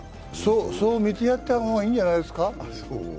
そう見てやった方がいいんじゃないですか。